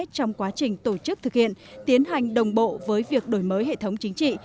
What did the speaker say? trong quá trình tổ chức thực hiện tiến hành đồng bộ với việc đổi mới hệ thống chính trị